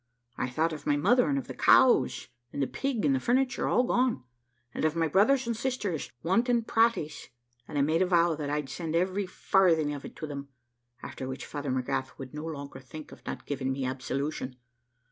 I thought of my mother, and of the cows, and the pig, and the furniture, all gone; and of my brothers and sisters wanting praties, and I made a vow that I'd send every farthing of it to them, after which Father McGrath would no longer think of not giving me absolution.